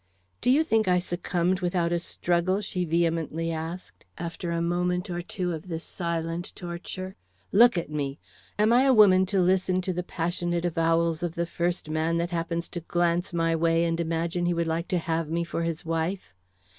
"Do you think I succumbed without a struggle?" she vehemently asked, after a moment or two of this silent torture "Look at me. Am I a woman to listen to the passionate avowals of the first man that happens to glance my way and imagine he would like to have me for his wife?